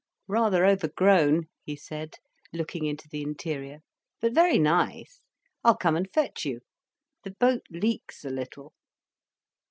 "Rather overgrown," he said, looking into the interior, "but very nice. I'll come and fetch you. The boat leaks a little."